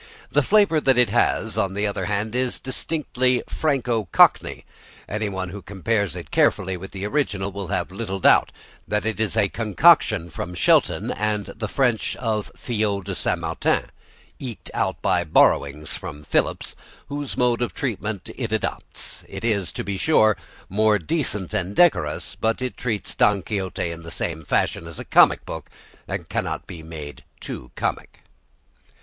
The flavour that it has, on the other hand, is distinctly Franco cockney. Anyone who compares it carefully with the original will have little doubt that it is a concoction from Shelton and the French of Filleau de Saint Martin, eked out by borrowings from Phillips, whose mode of treatment it adopts. It is, to be sure, more decent and decorous, but it treats "Don Quixote" in the same fashion as a comic book that cannot be made too comic.